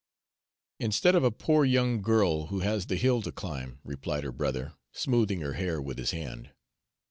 "Instead of a poor young girl, who has the hill to climb," replied her brother, smoothing her hair with his hand.